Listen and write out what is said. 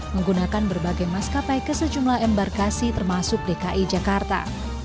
menggunakan berbagai maskapai ke sejumlah embarkasi termasuk dki jakarta